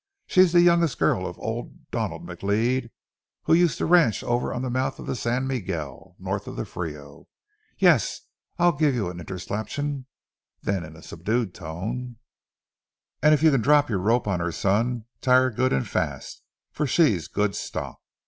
She's the youngest girl of old man Donald McLeod who used to ranch over on the mouth of the San Miguel, north on the Frio. Yes, I'll give you an interslaption." Then in a subdued tone: "And if you can drop your rope on her, son, tie her good and fast, for she's good stock."